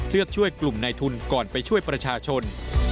เลือกช่วยกลุ่มในทุนก่อนไปช่วยประชาชน